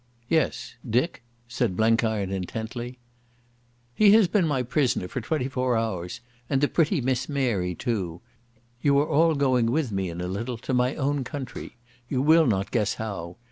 "Yes—Dick?" said Blenkiron intently. "He has been my prisoner for twenty four hours. And the pretty Miss Mary, too. You are all going with me in a little to my own country. You will not guess how.